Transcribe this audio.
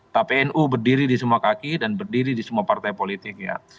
tapi nu berdiri di semua kaki dan berdiri di semua partai politik ya